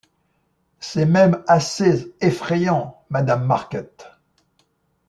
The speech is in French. C’est même assez effrayant, Madame Marquet.